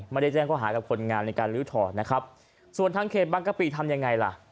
ไม่ได้แจ้งข้อหากับคนงานในการลื้อถอนนะครับส่วนทางเขตบางกะปิทำยังไงล่ะ